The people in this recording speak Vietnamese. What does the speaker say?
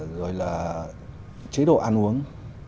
rồi là chế độ ăn uống